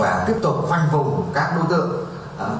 và tiếp tục phanh phùng các đối tượng